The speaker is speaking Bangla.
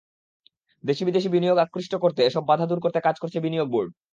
দেশি-বিদেশি বিনিয়োগ আকৃষ্ট করতে এসব বাধা দূর করতে কাজ করছে বিনিয়োগ বোর্ড।